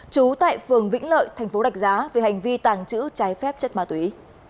trú tại phường vĩnh lợi thành phố rạch giá về hành vi tàng trữ trái phép chất ma túy